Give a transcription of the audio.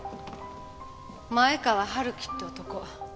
前川春樹って男。